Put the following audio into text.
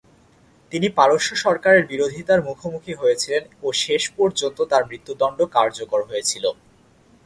তিনি পারস্য সরকারের বিরোধিতার মুখোমুখি হয়েছিলেন ও শেষ পর্যন্ত তার মৃত্যুদন্ড কার্যকর হয়েছিলো।